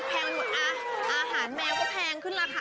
อาหารแมวก็แพงก็ขึ้นราคา